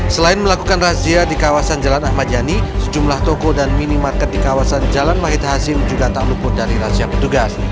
selain melakukan razia di kawasan jalan ahmad yani sejumlah toko dan minimarket di kawasan jalan wahid hasim juga tak luput dari razia petugas